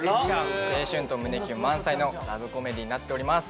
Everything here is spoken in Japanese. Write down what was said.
青春と胸キュン満載のラブコメディーになっております